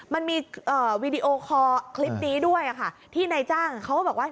มันมีวีดีโอคอร์คลิปนี้ด้วยค่ะที่นายจ้างเขาก็บอกว่า